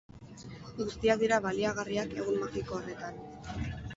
Guztiak dira baliagarriak egun magiko horretan.